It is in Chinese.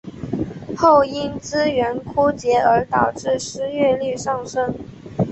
后因资源枯竭而导致失业率上升。